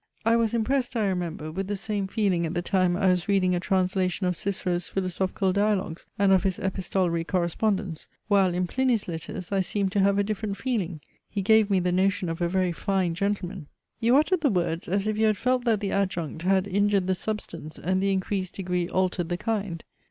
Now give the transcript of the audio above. I was impressed, I remember, with the same feeling at the time I was reading a translation of Cicero's philosophical dialogues and of his epistolary correspondence: while in Pliny's Letters I seemed to have a different feeling he gave me the notion of a very fine gentleman." You uttered the words as if you had felt that the adjunct had injured the substance and the increased degree altered the kind.